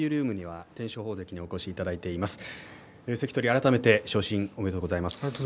改めて昇進おめでとうございます。